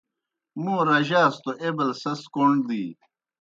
موں رجاس توْ ایْبل سیْس کوْݨ دِی۔